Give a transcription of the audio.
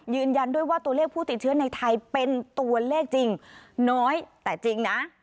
ยืนยันด้วยว่าตัวเลขผู้ติดเชื้อในไทยเป็นตัวเลขจริงน้อยแต่จริงนะ